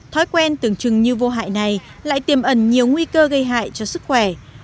thói quen tưởng chừng như vô hại này lại tiềm ẩn nhiều nguy cơ gây hại cho sức khỏe